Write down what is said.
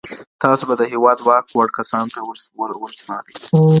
تاسو به د هېواد واک وړ کسانو ته ورسپارئ.